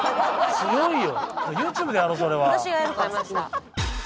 強いよ。